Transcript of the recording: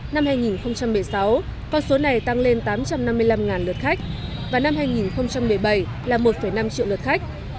năm hai nghìn một mươi sáu con số này tăng lên tám trăm năm mươi năm lượt khách và năm hai nghìn một mươi bảy là một năm triệu lượt khách